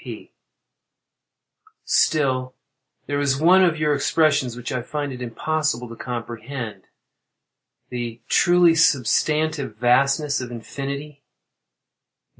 P. Still, there is one of your expressions which I find it impossible to comprehend—"the truly substantive vastness of infinity."